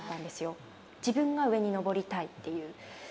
自分が上に登りたいっていう。